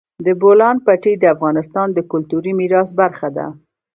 د بولان پټي د افغانستان د کلتوري میراث برخه ده.